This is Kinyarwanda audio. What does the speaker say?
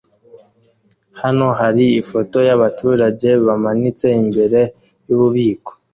Hano hari ifoto yabaturage bamanitse imbere yububiko